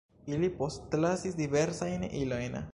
Ili postlasis diversajn ilojn.